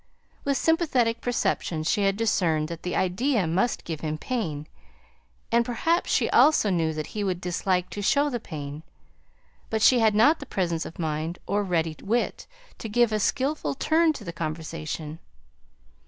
With sympathetic perception she had discerned that the idea must give him pain; and perhaps she also knew that he would dislike to show the pain; but she had not the presence of mind or ready wit to give a skilful turn to the conversation.